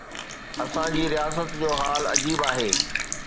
اسان جي رياست جو حال عجيب آهي.